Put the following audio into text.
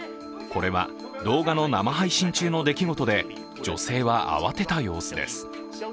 これは動画の生配信中の出来事で女性は慌てた様子です。